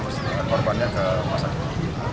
membawa korbannya ke masyarakat